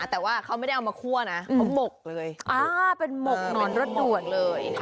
แต่ว่าเขาไม่มักมาคั่วนะเขามกเลย